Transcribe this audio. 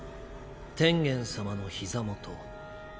天元様の膝元。